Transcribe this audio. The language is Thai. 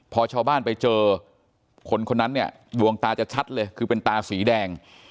พอชาวบ้านไปเจอคนคนนั้นเนี่ยดวงตาจะชัดเลยคือเป็นตาสีแดง